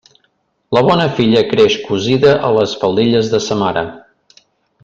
La bona filla creix cosida a les faldilles de sa mare.